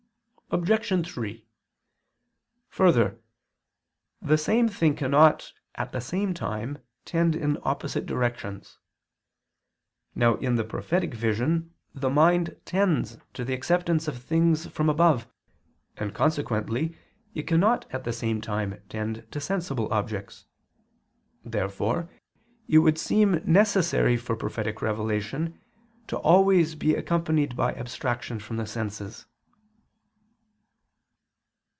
Obj. 3: Further, the same thing cannot, at the same time, tend in opposite directions. Now in the prophetic vision the mind tends to the acceptance of things from above, and consequently it cannot at the same time tend to sensible objects. Therefore it would seem necessary for prophetic revelation to be always accompanied by abstraction from the senses.